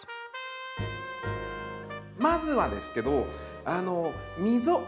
まずはですけど溝。